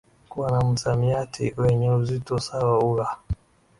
kuwa na msamiati wenye uzito sawa ugha